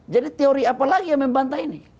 jadi teori apa lagi yang membantai ini